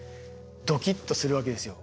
ドキッとするわけですよ。